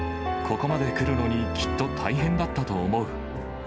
ここまでくるのにきっと大変だったと思う。